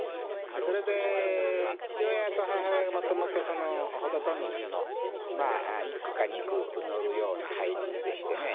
それで父親と母親がもともと「ホトトギス」の一句か二句載るような俳人でしてね。